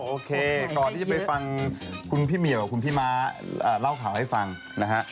โอเคก่อนที่จะไปฟังคุณพี่เหมียวกับคุณพี่ม้าเล่าข่าวให้ฟังนะฮะ